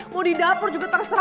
mau di dapur juga terserap